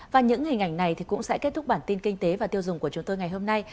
và những hình ảnh này cũng sẽ kết thúc bản tin kinh tế và tiêu dùng của chúng tôi ngày hôm nay